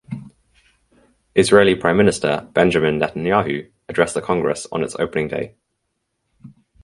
Israeli Prime Minister Benjamin Netanyahu addressed the Congress on its opening day.